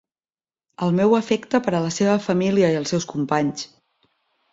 El meu afecte per a la seva família i els seus companys.